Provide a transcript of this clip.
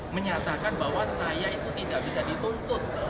menyatakan bahwa saya itu tidak bisa dituntut